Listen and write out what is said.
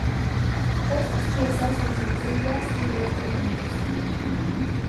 Estas piezas son sencillas y no tienen lustre.